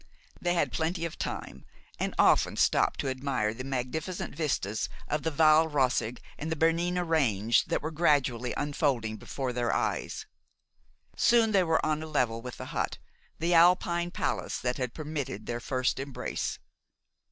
They had plenty of time, and often stopped to admire the magnificent vistas of the Val Roseg and the Bernina range that were gradually unfolding before their eyes. Soon they were on a level with the hut, the Alpine palace that had permitted their first embrace.